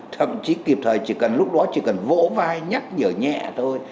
thậm chí kịp thời lúc đó chỉ cần vỗ vai nhắc nhở nhẹ thôi